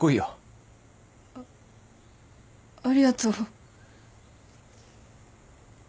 あありがとう。